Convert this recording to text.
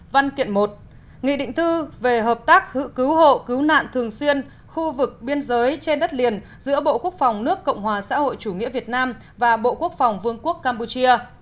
văn kiện một nghị định thư về hợp tác hữu cứu hộ cứu nạn thường xuyên khu vực biên giới trên đất liền giữa bộ quốc phòng nước cộng hòa xã hội chủ nghĩa việt nam và bộ quốc phòng vương quốc campuchia